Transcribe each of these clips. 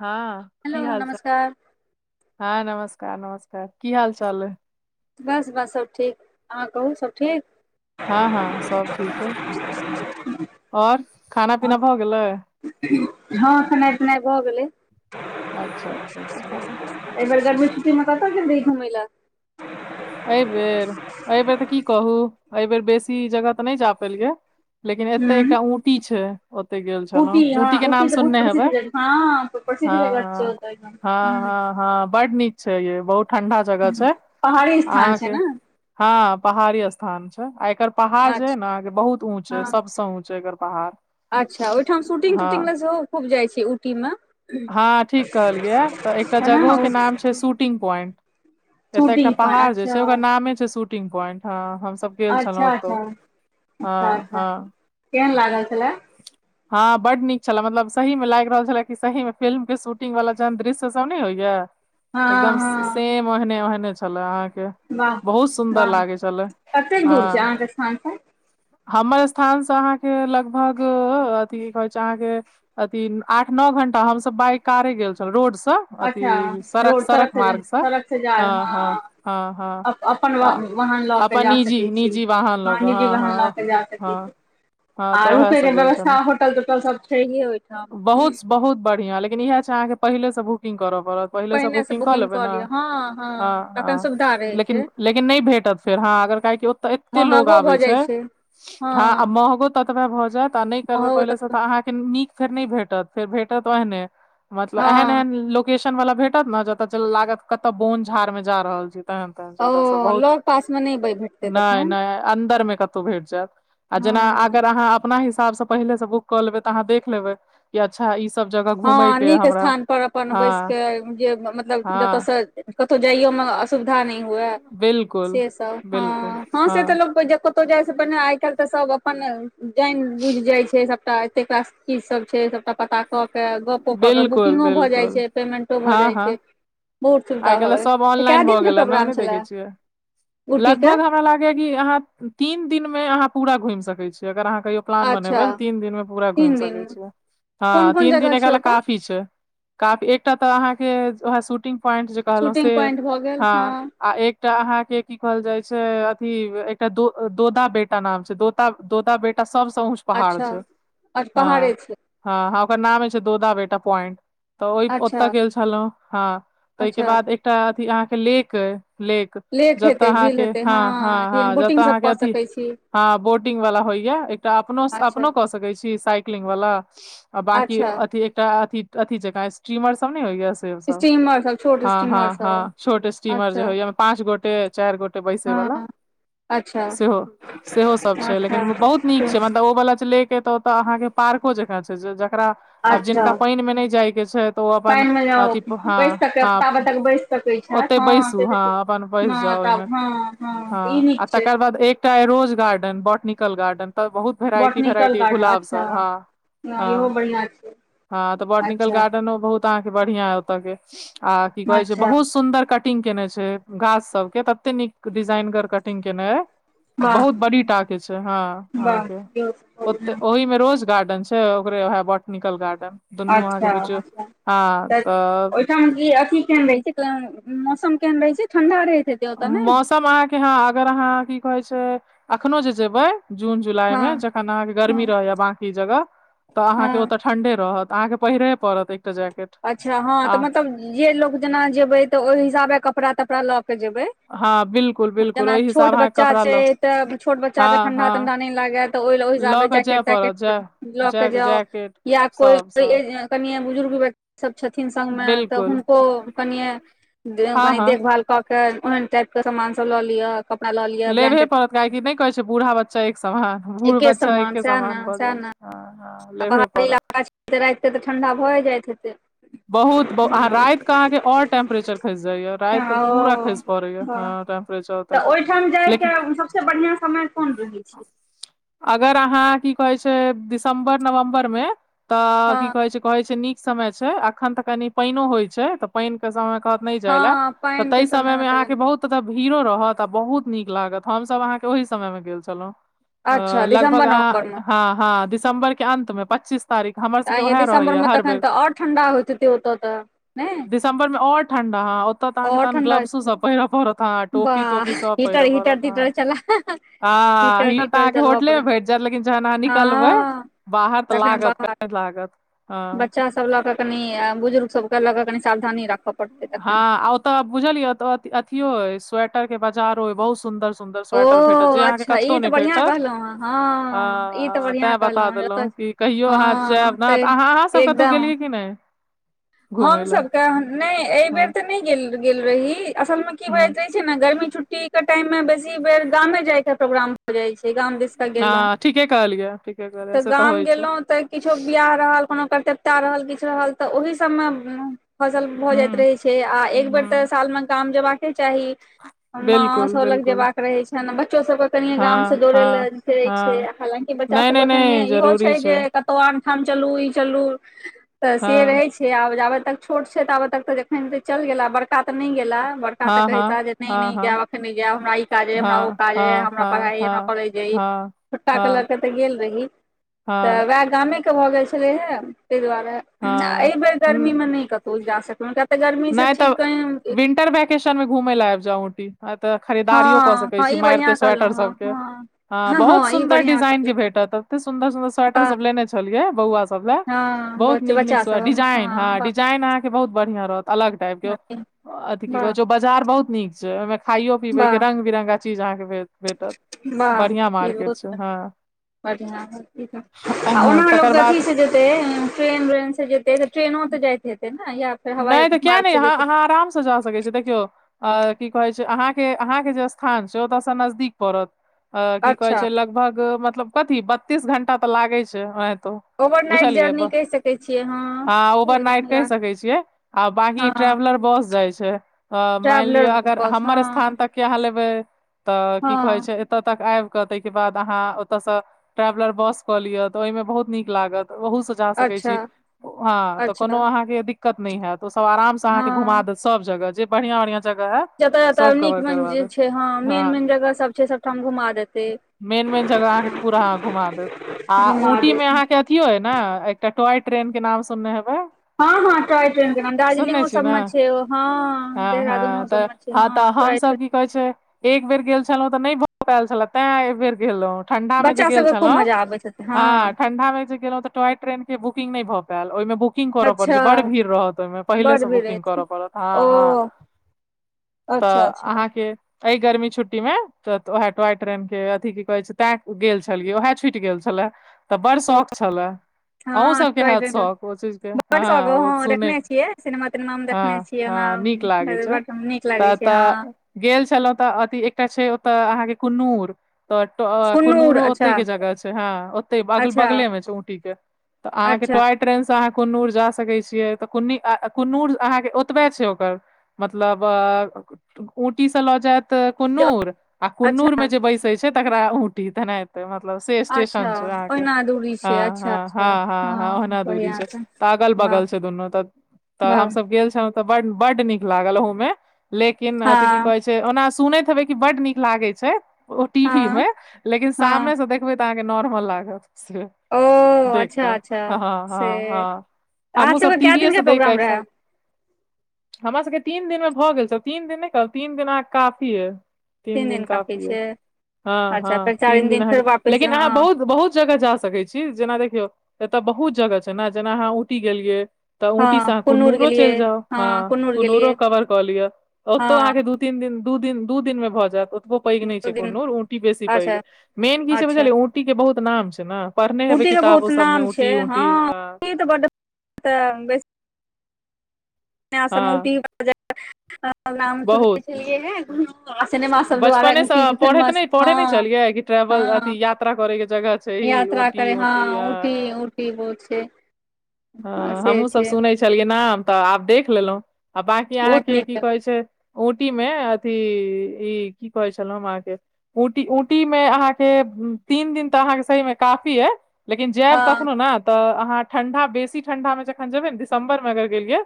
हँ हेलो की हाल चाल नमस्कार हँ नमस्कार नमस्कार की हाल चाल बस बस सब ठीक अहाँ कहू सब ठीक हँ हँ सब ठीक हइ आओर खाना पीना भऽ गेलै हँ खेनाइ पिनाइ भऽ गेलै अच्छा अच्छा अच्छा एहि बेर गर्मी छुटी मे कतऽ गेल रही घुमैला एहिबेर एहिबेर तऽ की कहू एहिबेर बेसी जगह तऽ नहि जा पलिये लेकिन एते हूँ एकटा ऊटी छै ओते गेल छलहुँ हँ ऊटी के नाम तऽ बहुत सुनने प्रसिद्ध हेबे जगह हँ हँ प्रसिद्ध जगह छै हँ ओतऽ एकदम हँ हूँ हँ हँ बड नीक छै य बहुत ठंडा जगह छै पहाड़ी स्थान छै अहाँके ने हँ पहाड़ी स्थान छै आ एकर पहाड़ जे है अच्छा नेके बहुत ऊंच है हँ सबस ऊँच है एकर पहाड़ अच्छा ओहिठाम शूटिंग हँ तूटिंग लग सेहो खूब जाइ छै उटी मे हँ ठीक कहलियै तऽ एकटा है ने जगहोे ओ नाम छै शूटिंग पॉइंट एतय एकटा शूटिंग पर पहाड़ जे अच्छा छै ओकर नामे छै शूटिंग पॉइंट ह हमसभ गेल छलहुँ अच्छा ओतौ अच्छा हँ अच्छा अच्छा हँ केहन लागल छलै [inaudible] हँ बड नीक छले मतलब सही मे लागि रहल छलै कि सही मे फिल्म के शूटिंग वालला जहन दृश्य सब नहि होइया हँ एकदम हँ सेम ओहने ओहने छलए अहाँके वाह बहुत सुन्दर वाह लागै छलै कतेक हँ दूर छै अहाँके स्थान से हमर स्थान से अहाँके लग लगभग अथी कि कहै छै अहांके आठ नओ घंटा हम बाइक कारे गेल छल रोडसँ अच्छा अथि सड़क रोड सड़क से जा मार्गसँ सड़क से जा हँ हँ हँ हँ अप, अपन वा- त वाहन लऽ के अपन जा निजी सकै छी निजी वाहन लऽकऽ निजी हँ वाहन लऽ हँ के जा हँ सकै छी हँ आ तऽ रुकई उएहसँ के गेल व्यवस्था छलहुँ होटल तोटल सब छै ह होइ बहुत बहुत बढ़ियां लेकिन इएह छै अहाँके पहिले से बुकिंग करय पड़त पहिलेसँ पहिने से बुकिंग कऽ लेबै ने लिअ हँ हँ हँ तखन सुविधा रहै लेकिन छै लेकिन नहि भेटत फेर हँ अगर काहेक तऽ एते लोग महगो भऽ आबै जाइ छै हँ ह महगो ततबा भऽ जाय नहि करबै पहिेले स तऽ अहान निक नई भेंटत फेर भेटत ओहने मतलब हँ एहन एहन लो केशन वाला भेटत ने जतऽ लागत कतऽ बोन झाड़ में जा रहल छी तहन ओ जगह सब बहुत लग पास मे नहि भ नय नय अन्दर मे कतहु भेट जायत आ हँ जेना अगर अहाँ अपना हिसाबसँ पहिले से बुक कऽ लेब तऽ अहाँ देख लेबै अच्छा ई सब जगह घूमय हँ के नीक हमरा स्थान पर अपन बैस हँ क जे मतलब हँ जतऽसँ कतहु जाइयोमे असुविधा नय हुए बिलकुल सेसभ हँ हँ से तऽ लोक त कोयो कतौ जाइ से पहिने आइ काल्हि तऽ सब अपन जानि बुझि जाइ छै सबटा एतेक का कीसभ छै सभटा पता कऽ केऽ गपो कऽ केऽ बिलकुल बुकिंगो भऽ जाइत बिलकुल छै पेमेंटो भऽ हँ जाइ हँ छै बहुत सुविधा आइ भऽ काल्हि गेलै सब तऽ कए ऑनलाइन भऽ दिनके गेल ने प्रोग्राम नहि देखै छलय छियै लगभग हमरा लागैय कि अहाँ तीन दिन मे अहाँ पूरा घुमि सकै छीय अगर अहाँ कहियो प्लान अच्छा बनेबै तीन दिन मे पूरा घुमि तीन दिन सकै छियै कोन हँ कोन तीन दिन जगह एकरा छै लए ओतऽ काफी छै एकटा त आहा के ओहै सुटिंग प्वाइंट जे कहलौं से शूटिंग पॉइंट भऽ गेल हँ आ एकटा अहां के की कहल जाय छै अथी एकटा दो दोदा बेटा नाम छै दो तब दोदा बेटा सबसँ ऊच पहाड़ अच्छा छै आओर पहाड़े हँ छै हँ ह ओकर नाम छै दोदा बेटा पॉइंट तऽ ओ ओतय अच्छा गेल छलहुँ हँ ताहि के अच्छा बाद एकटा अथी अहाँके लेक अय लेक जतऽ हेतै झील अहाँके हेतै हँ हँ हँ झील बोटिंग जतऽ सब अहाँके कऽ अथी सकै छी हँ बोटिंग वाला होइया एकटा अपनो अच्छा अपनो क सकै छी साइक क्लिंगवला आ बाकी अच्छा अथी, एकटा अथी जे स्ट्रीमर सभ ने होइय। सभ स्टीमर सब छोट हँ, स्टीमर हँ, सब हँ, छोटे स्टीमर जे अच्छा होइय, ओहिमे पाँच गोटे। चारि गोटे बैसऽ वला हँ अच्छा सेहो सेहो सभ छै, अच्छा मुदा बहुत नीक तो- छै, मतलब ओ वला लऽ के तऽ। तऽ अहाँके पार्को जेका छै, जकरा। आब अच्छा जिनका पाइनमे नहि जाइके छै, तऽ ओ अपन पानि मे अछि बैस हँ, सक हँ। ताबे तक बैस सकै ओते छथि बैसू, से तऽ ठीक। हँ, अपन बैस हँ जाउ ओहिमे तब हँ तऽ ई हँ, आ नीक छै तकर बाद एकटा। रोज गार्डन, बॉटनिकल गार्डन तऽ बहुत भेरायटी बोटनिकल भेरायटी गार्डन गुलाब अच्छा सभ हँ। इहो हँ बढ़िया छै हँ, तऽ बॉटनिकल अच्छा गार्डनहुँ बहुत। तऽ अहाँकेँ बढ़िया ओतऽ के आ की कहै छै, अच्छा बहुत सुन्दर कटिंग। कटिंग केने छै घास सभके, तते नीक डिजाइनगर कटिंग केने छै। वाह बहुत बड़का टा छै हँ, वाह इहो सब बहुत अहाँकेँ बढ़िआँ। ओहि में रोज गार्डन छै। ओकरे ओ बॉटेनिकल गार्डन। दुनू अहाँके अच्छा बुझियौ अच्छा, हँ तऽ ओहिठाम की अछि, केहन रहै छै? मतलब मौसम केहन रहै छै ठंडा रहैत। ओतऽ ने मौसम अहाँकेँ हँ, अगर अहाँ की कहै छी, अखनो जे जेबै। जून हँ जुलाईमे जखन अहाँकेँ हँ गर्मी रहै छै, बाकी जगह तऽ हँ अहाँकेँ ओतऽ। ठंढे रहत, अहाँकेँ पहिरऽ पड़त। एकटा जैकेट अच्छा हँ, आ तऽ मतलब जे लोग जेना जेबै तऽ ओहि हिसाबे कपड़ा तपड़ा लऽ के जेबै। हँ बिल्कुल बिल्कुल जेना ओहि हिसाब छोट अहाँके बच्चा कपड़ा छै, लऽ तऽ छोट बच्चाके हँ ठंढा ठंढा हँ नहि लगैत। तऽ ओ ओहि लऽ हिसाबे कऽ जाय जैकेट-वैकेट पड़त जाय लऽ के जैक जाउ, जैकेट या सब सब कोनो कनि बुजुर्ग व्यक्ति। सभ छथिन संगमे तऽ बिल्कुल हुनको कनि हँ कनि हँ देखभाल। कऽ के ओहेन टाइपके सामान सभ लऽ लिअ। कपड़ा लऽ लिअ लेबहि ब्लैंकेट पड़त, किएक तँ कहै छै बूढ़ा बच्चा एक समान। बूढ़ बच्चा एके सएह समान ने भऽ सएह जाइ छै, हँ हँ, लेबे पड़त। एते राउत के तऽ ठंडा भऽ जाइत हेतै। बहुत बढ़िया रातिके अहाँकेँ आओर टेम्परेचर खसि जाइत छै, ह रातिके तऽ पूरा ओ खसि पड़ै वाह छै हँ। टेम्परेचर ओतऽ तऽ के ओहिठाम लेकिन जायके सभसँ बढ़ियाँ समय कोन रहै छै? तऽ [unintelligible] अगर अहाँ की कहै छी, दिसम्बर नवम्बरमे तऽ हँ की कहै छी, नीक। समय छै एखन तऽ कनि पाइनो होइ छै, तऽ पाइनक समय कहत। नहि जायला हँ तऽ पानि के तय समय मे समयमे अहाँके तखन बहुत। ओतऽ तऽ भीड़ो रहत आ बहुत नीक लागत, हमसभ अहाँके ओहि समयमे गेल छलहुँ। हँ, अच्छा लगभग दिसम्बर नवम्बर मे हँ, दिसम्बरक अन्तमे पच्चीस। तारीख हमर सभकेँ उएह रहै छै हर बेर। और ठंडा होत दिसम्बरमे आओर ठंढा हँ, ओतऽ अहाँकेँ आओर तखन ठंडा ग्लव्सो होइत सभ पहिरऽ पड़त। हँ, टोपी वाह टोपी सभ हीटर पहिरह हीटर तीटर चला हीटर तीटर अहाँकेँ, चलबऽ होटलमे पड़े भी। जा, लेकिन जखन अहाँ निकलबै हँ बाहर तऽ तखन लागत, कह लागत हँ। सभ लऽ कऽ कनि बुजुर्ग सभके लऽ कऽ सावधानी राखब। हाँ ओतऽ बुझलियै, अथियो स्वेटरक बजारो बहुत सुन्दर। सुन्दर ओ स्वेटर भेटत जे अहाँकेँ अच्छा कतौ ई तऽ नहि बढ़िआँ भेटत। कहलहुँ हँ हँ ई तऽ बढ़िआँ कहलहुँ जतऽ कहियो अहाँ जायब हँ ने तऽ अहाँ सभ कतहु गेलियै कि नहि? घुमय लए हमसभ तऽ नहि, एहि हँ बेर तऽ नहि गेल रही। असलमे की हूँ बाजू? ने, गर्मी छुट्टीक समयमे बेसी बेर गामे जायके प्रोग्राम। हो जाइ छै, गाम बस कऽ गेलहुँ हँ ठीके कहलियै ठीके कहलियै तऽ से गाम होइ छै गेलहुँ तऽ। किछु बियाह रहल, कोनो कर्तव्यता रहल, किछु रहल तऽ ओहि सभमे। फसल भऽ जाइत हूँ रहैत छै आ एक बेर तऽ हूँ सालमे गाम जयबाक चाही। माँ सभ बिल्कुल लग बिल्कुल जेबाक रहै छै ने, बच्चो सभकेँ। कनि हँ गाम सँ हँ दौड़ि-धूप कऽ फेरै छै, हँ हालाँकि बच्चा नहि नहि सभकेँ कनिए नहि ईहो जरूरी छै जे। ओ आनठाम चलू ई चलु तऽ से हँ रहै छै छै आब जाब तक छोट छै तऽ तक तऽ जखन चल गेल बरका बड़का तऽ नहि गेला बड़का तऽ हाँ, कहहिता हाँ, जे नहि हाँ, नहि हाँ, जायब अखन नहि जायब हमरा ई काज अ हमरा ओ काज अछि हाँ, हमरा हाँ, पढ़ाई हाँ, करे हाँ, हाँ, छोटका के हाँ, लक त गेल रही त हाँ, वैह गामे के भऽ गेल छलै हे ताहि दुआरे हाँ गर्मी मे हम्म, नहि कतहु जा सकलहुं किया तऽ गर्मी से ठीक कह किशन मे घूमय लए आबि जाउ औंटी तऽ हँ खरीदारियो कऽ सकैत हँ छी ई मारिते बढ़िआँ कहलहुँ स्वेटर हँ सब के हँ हाँ हँ बहुत हँ ई सुन्दर बढ़िआँ डिजाइन के कहलहुँ भेटत एते सुदर सुदर स्वेटर वाह सब लेने छलियै बौआ सब लए हँ बहुत नीक नीक बच्चा सऽ सब डिजाइन हँ हाँ वाह डिजाइन अहाँ के बहुत बढ़िया रहत अलग टाइप के अथी वाह कह बाजार बहुत नीक छै ओहि में खाइयो पीबै के वाह रंग बिरंगा चीज अहाँ के भऽ भेटत बढ़िया मार्केट छै हाँ बढ़िआ आ ओना लोक तकर के अथी बाद छै जे ट्रेन व्रेन से जेते तऽ ट्रेनो तऽ जाइत हेते ने या फेर हवाई नहि तऽ किया नहि मार्गसँ जेतै अहाँ आराम सँ जा सकैत छीयै देखियौ आ की कहै छै अहाँ के अहाँ के जे स्थान छै ओतयसँ नजदीक पड़त अऽ की कहे अच्छा छै लगभग मतलब कथी बत्तीस घंटा तऽ लागे छै अऽ तो ओवरनाइट पूछलियै जर्नी कहि सकै छियै हँ हाँ ओवरनाइट या कहि सकै छियै हाँ बाकी हँ ट्रवरर बस जाए छै हाँ माइन लिए ट्रेवलर अगर बस हँ हमर स्थान तक केह लेबै तऽ की हँ कहै छै एतय तक आबि कऽ ताहि के बाद अहाँ ओतऽ सँ ट्रेवलर बस कऽ लियअ तऽ ओहि में बहुत नीक लागत ओहो से जा सकै अच्छा छी हाँ तऽ कोनो अच्छा अहाँ के दिक्कत नै हैत ओ सब आराम से घुमा हँ देत जब सब जगह जे बढ़ियां बढ़ियां जगह है जतय जतय नीक छै हँ मेन मेन जगह सब छै सबठाम घुमा देतै मेन मेन जगह अहाँ के पूरा घुमा देब आ घुमा ऊटी मे देत अहाँ के केियो ह ने एकटा टॉय ट्रेन के नाम सुनने हेबे हाँ हाँ टॉय ट्रेन के नाम दार्जलिंगो छियै सब ने मे छै हाँ हँ देहरादूनो सब में हाँ टाॅय ट्रेन कहे छै एक बेर गेल छलौं तऽ नहि भऽ पायल छले तें एक बेर गेलहुं ठंडा में जे बच्चा गेल सबके खूब छलहु मजा आबैत हेतै हँ ठंडा में जे गेलौ त टाॅय ट्रेन के बुकिंग नहि भऽ पैल ओहि में बुकिंग करऽ पड़ अच्छा छै बड़ भीड़ रहत ओहि में पहिले बड से भीड़ बुकिंग अछि करऽ पड़त हाँ ओ हाँ तऽ अच्छा अच्छा अहाँके एहि गर्मी छुट्टी में तऽ उह टॉय ट्रेन के अथी की कहे छै तैं गेल छलियै उएहे छूटि गेल छले तऽ बड़ शौक छलए अहो हँ सबके ट्राइ हत बड शौक ओ चीज के शौक हँ हँ सुने देखने छियै सिनेमा तिनेमा मे देखने छियै ओना ह नीक लागै छै बड नीक लागै तऽ छै हँ तऽ गेल छलहुँ तऽ अथि एकटा छै ओतय अहाँके कुन्नूर तऽ कुन्नूर कनूरो ओते अच्छा के जगह छै हँ ओते अगल अच्छा बगले मे छै ऊटी के तऽ अहाँके अच्छा टॉय ट्रेन से अह कोनूर जा सकैत छी कुनी कुनुर अहाँ के ओतबे छै ओकर मतलब ऊंटीसँ लऽ जायत कुन्नूुर आ कुन्नुरमे अच्छा जे बैसैत छै तकरा ऊंटी तेना मतलब से अच्छा स्टेशन छै अहाँ के ओहिना दूरी छै हँ अच्छा ह अच्छा हँ हँ हँ ओहना दूरी बढ़िआँ छै तऽ अगल वाह बगल छै दुनू तऽ तऽ वाह हमसभ गेल छलहुँ तऽ ब बड्ड नीक लागल ओह मे लेकिन अथि की हँ कहे छै ओना सुनैत हेबै क बड्ड नीक लागै छै ओ टीवी हँ मे लेकिन हँ सामने से देखबै तऽ अहाँ के नॉर्मल लागत से ओ देख अच्छा क अच्छा हँ हँ से हँ अहाँ हमहुँ सब सबके कए टीवीए दिनके से देख क प्रोग्राम एक रहै साइड हमरा सबके तीन दिन मे भऽ गेल छ तीन दिन नहि कह तीन दिन अह काफी है तीन दिन काफी यै हँ अच्छा हँ फेर तीन चारिम दिन अहाँ फेर के वापिस लेकिन अहाँ हँ बहुत बहुत जगह जा सकै छी छी जेना देखियौ एतऽ बहुत जगह छै ने जेना अहाँ ऊटी गेलियै तऽ ऊंटी से हँ अहाँ कुन्नूर कुन्नूरो चलि गेलियै जाउ हँ ह कुन्नूर गेलियै कन्नूरो कवर कऽ लियअ हँ ओतो अहा के दू तीन दिन दू दिन दू दिन मे भऽ जायत ओतबो पैघ नहि दू छै दिन कोनो ऊंटी बेसी पैघ अच्छा मेन की छै अच्छा बुझलियै ऊंटी के बहुत नाम छै ने पढ़ने हेबै ऊटी के किताबो बहुत सबमे नाम छै ऊंटी हँ ऊंटी अ ऊटी तऽ बड्ड तऽ बेस [unintelligible] हँ बहुत सिनेमा सब दुरा बचपनेसँ पढ़ैत फेमस नहि पढ़ै नहि हँ छलियै कि ट्रेवल हँ अथी यात्रा करयके जगह छै ई यात्रा ऊँटी करै हँ ऊँटी उटी हँ उटी बहुत छै हँ से हमहूँसभ छै सुनै छलियै नाम तऽ आब देख लेलहुँ आ बकी बहुत अहाँके की नीक कहै छै उटी मे अथी ई की कहै छलहु हम अहाके ऊटी ऊटी मे अहाँके तीन दिन तऽ अहाँके सहीमे काफी अइ लेकिन हँ जायब कखनो ने तऽ अहाँ ठंडा बेसी ठंडा मे जखन जेबै ने दिसं्बर मे अगर गेलियै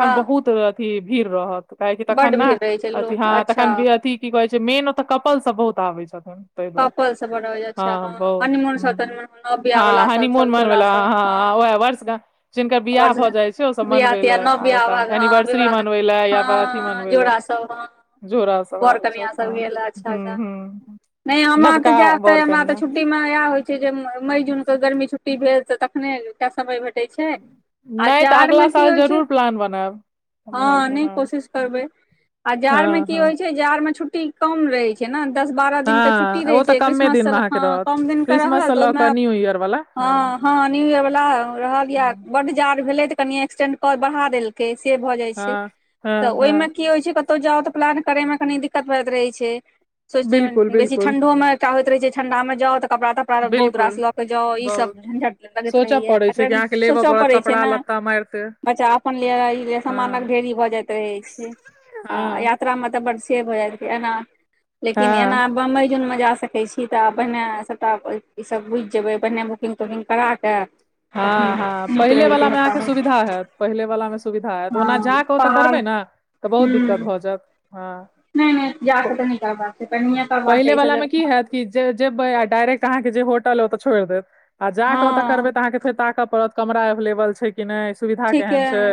हँ बहुत अथी भीड़ रहत काहेक तखन बड्ड ने भीड़ रहै छै अथि लोक हँ अच्छा तखन अथी की कहै छै मेन ओतऽ कपल सब बहुत आबै छथिन तइ दुआरे कपल सब बड़ होइ छै। अच्छा हँ बहुत हनीमून सब ह तनीमून नव बियाह हँ वाला सब हनीमून सब मनबे जोड़ा ले सब हँ [unintelligible] गा जिनकर बियाह हमर भए जाइ छै ओसभ सबके बियाह मनबय तियाह लए नव आ बियाह भाग एय हँ एनिवर्सरी मनबय लए या अथी मनबय लए सलमान जोरा सब आबे छैथ हुँ अच्छा हुँ नहि हमरा ते जायब ते हमरा ते छुट्टी मे या हो मई जून के गर्मी छुट्टी भेल तऽ तखने टा समय भेटै छै आ नहि तऽ अगला जाड़मे की साल होइ छै जरूर प्लान बनायब हँ एम्हरके नहि कोशिश करबै आ जाड़ मे हँ की हँ होइ छै बाजार में छुट्टी कम रहे छै ने दस बारह दिन के छुट्टी हँ दै ओ तऽ छै कमे दिन क्रिसमससँ अहाँके हँ रहत कम दिनके रहल क्रिसमस से तऽ लऽ ओहिमे कऽ न्यू ईयर वाला हँ हँ न्यू इयर वाला रहल या हँ बड्ड जाड़ भेले तऽ कनि एक्सटेंड कर बढ़ा देल से भऽ जाइ छै हँ हँ तऽ हँ ओइम की होई छै कहु जाउ तऽ प्लान करे मे कनी दिक्कत होइत रहे छै सोच बिल्कुल बेसी बिल्कुल मे एकटा होइत रहे छै ठंडा मे जाउ तऽ कपरा तऽ करा बहुत बिल्कुल रास लऽ कऽ जाउ ईसभ बहुत झञ्झट लगैत सोचऽ रहैए पड़ै छै कि अगर अहाँके लेबऽ सोचय पड़त पड़ैत छै कपड़ा ने लत्ता मारिते बच्चा अपन लिए समानक हँ ढेरी भऽ जाइत रहै छै हँ हँ [unintelligible] मे जा सकैत छी तऽ पहिने सभटा ई सब बुझि जेबै पहिने बुकिंग तुकिंग करा कऽ तखन हँ हँ नीक रहै छै पहिलेवलामे अहाँके सभटा सुविधा हैत पहिले वलामे सुविधा होयत ओना हँ जा कऽ ओतऽ पहाड़ करबै न तऽ बहुत दिक्कत भऽ जायत हँ नइ नइ जाकऽ तऽ नहि करबाक छै पहिनहिये करबाका पहिले छै ई वला सब मे की जगह हैत जेबै आ डायरेक्ट अहाँ के जे होटल ओत छोड़ देत आ जा क ओत करबइ हँ तऽआहाँ के ताकऽ पड़त कमरा एभलेबल छै नइ सुविधा केहन ठीके छै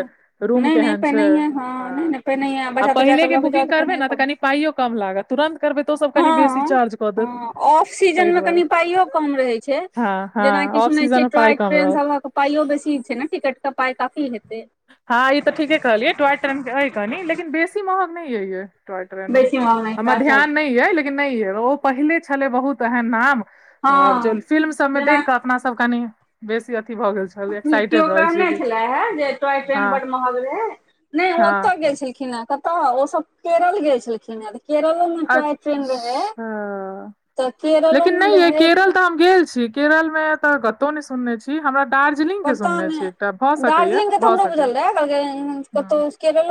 रूम नहि नहि केहन छै पहिनहिए हँ नहि हं नहि पहिनहिए आ बच्चा तच्चा पहिले कऽ के लऽ कऽ जाउ बुकिंग करबै पहिनहिए न तऽ कहबै कनि पाइयो कम लागत तुरन्त करबै तऽ ओसभ हँ कनि बेसी चार्ज कऽ देत हँ ऑफ सीजन ताहि मे दुआरे कनि पाइयो कम रहै छै हँ हँ जेनाकि ऑफ सुनै सीजन छियै मे पाइ टाॅय कम ट्रेन रहत सबहक अहां के पाइयो बेसी छै न टिकट के पाई काफी हेतै हँ ई तऽ ठीके कहलियै ट्व ट अइ कनी लेकिन बेसी महग नहि अइये टॉट्रेनो बेसी महग नहि छै हमर अच्छा ध्यान न अच्छा ये लेकिन नहि ये ओ पहिले छले बहुत एहन नाम हँ ब फिल्म सब मे जेना देख क अपना सब कनि बेसी अथी भऽ गेल छै केओ कहने छला हे जे अइ हँ ठाम बड्ड महग रहै नइ हँ ओतऽ गेल छलखिन हे कत तऽ ओ सब केरल गेल छलखिन अ केरलो मे टाॅय ट्रेन रहै अच्छा तऽ केरलो लेकिन मे नहि ये रहै केरल तऽ हम गेल छी केरल में त कतौ नै सुनने छी हमरा दार्जिलिंग के पता सुनने छी एकटा भए नहि सक दार्जिलिंगके तऽ भऽ हमरो सकय बुझल रहै कहलकै हूं कतहु केरलो